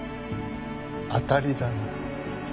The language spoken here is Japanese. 当たりだな。